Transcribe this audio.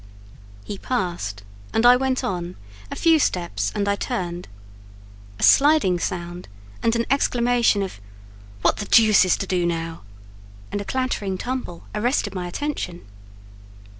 He passed, and I went on; a few steps, and I turned: a sliding sound and an exclamation of "What the deuce is to do now?" and a clattering tumble, arrested my attention.